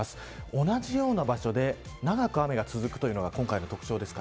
同じような場所で長く雨が続くというのが今回の特徴です。